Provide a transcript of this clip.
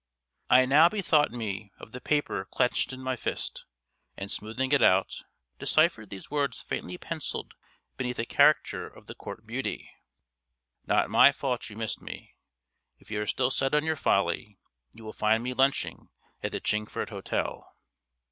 I now bethought me of the paper clenched in my fist, and, smoothing it out, deciphered these words faintly pencilled beneath a caricature of the Court beauty: "Not my fault you missed me. If you are still set on your folly, you will find me lunching at the Chingford Hotel."